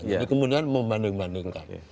jadi kemudian membanding bandingkan